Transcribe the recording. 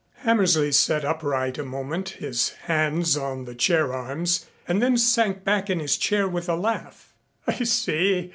Hammersley sat upright a moment, his hands on the chair arms and then sank back in his chair with a laugh. "I say.